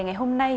ngày hôm nay